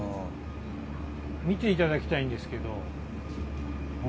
見ていただきたいんですけど。